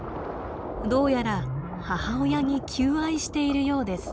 どうやら母親に求愛しているようです。